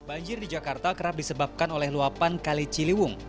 banjir di jakarta kerap disebabkan oleh luapan kali ciliwung